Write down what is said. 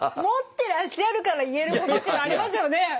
持ってらっしゃるから言えることっていうのありますよね。